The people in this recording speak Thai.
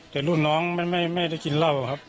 แต่รุ่นน้องไม่ได้กินเหล้าครับ